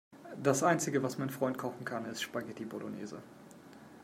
Das Einzige, was mein Freund kochen kann, ist Spaghetti Bolognese.